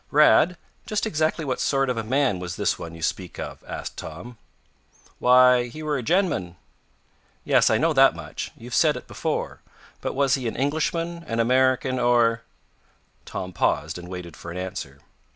"Rad, just exactly what sort of a man was this one you speak of?" asked Tom. "Why, he were a gen'man " "Yes, I know that much. You've said it before. But was he an Englishman, an American or " Tom paused and waited for an answer.